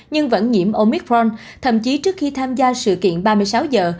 nhưng vẫn nhiễm omicron thậm chí trước khi tham gia sự kiện ba mươi sáu giờ